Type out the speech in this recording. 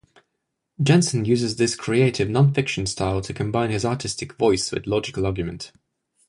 Jensen uses this creative non-fiction style to combine his artistic voice with logical argument.